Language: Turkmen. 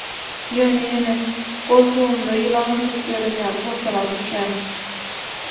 ýöne ýene goltugymda ýylan göterip ýören ýaly howsala düşýän.